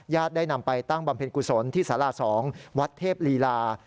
ได้นำไปตั้งบำเพ็ญกุศลที่สารา๒วัดเทพลีลา